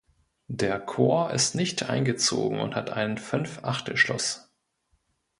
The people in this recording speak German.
Der Chor ist nicht eingezogen und hat einen Fünfachtelschluss.